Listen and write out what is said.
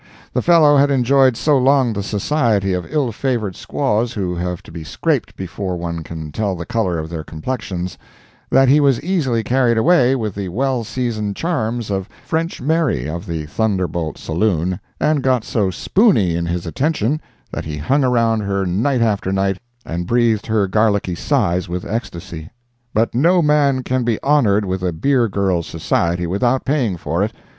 The fellow had enjoyed so long the society of ill favored squaws who have to be scraped before one can tell the color of their complexions, that he was easily carried away with the well seasoned charms of "French Mary" of the Thunderboldt Saloon, and got so "spooney" in his attentions that he hung around her night after night, and breathed her garlicky sighs with ecstasy. But no man can be honored with a beer girl's society without paying for it.